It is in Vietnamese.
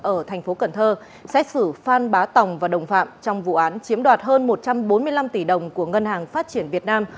ở tp cn xét xử phan bá tòng và đồng phạm trong vụ án chiếm đoạt hơn một trăm bốn mươi năm tỷ đồng của ngân hàng phát triển việt nam